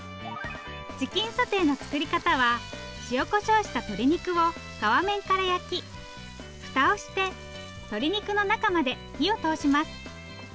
チキンソテーの作り方は塩こしょうした鶏肉を皮面から焼き蓋をして鶏肉の中まで火を通します。